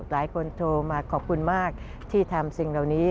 หลายคนโทรมาขอบคุณมากที่ทำสิ่งเหล่านี้